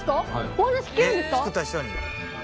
お話聞けるんですか？